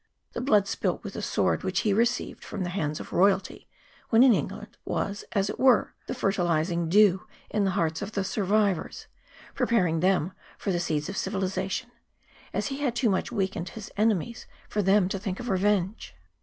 The blood spilt with the sword which he received from the hands of royalty, when in England, was, as it were, the fertilizing dew in the hearts of the survivors, preparing them for the seeds of civilization, as he had too much weakened his enemies for them to think of revenge.